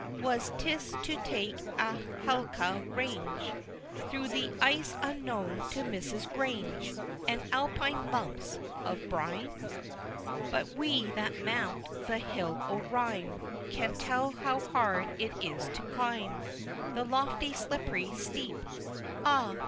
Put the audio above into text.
What 'tis to take a Hecla range, Through ice unknown to Mrs. Grange, And alpine lumps of brine? X. But we, that mount the Hill o' Rhyme, Can tell how hard it is to climb The lofty slippery steep, Ah!